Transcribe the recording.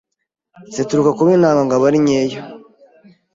zituruka ku kuba intanga ngabo ari nkeya